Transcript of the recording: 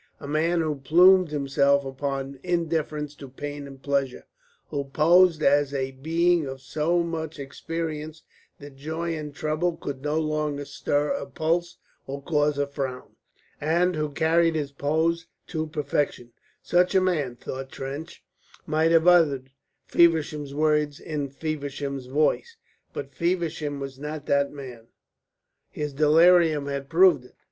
A man who plumed himself upon indifference to pain and pleasure who posed as a being of so much experience that joy and trouble could no longer stir a pulse or cause a frown, and who carried his pose to perfection such a man, thought Trench, might have uttered Feversham's words in Feversham's voice. But Feversham was not that man; his delirium had proved it.